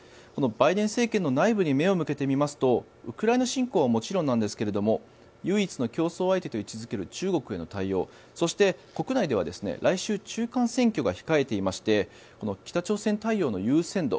バイデン政権の内部に目を向けてみますとウクライナ侵攻はもちろんですが唯一の競争相手と位置付ける中国への対応そして国内では来週、中間選挙が控えていまして北朝鮮対応の優先度